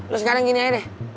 loh sekarang gini aja deh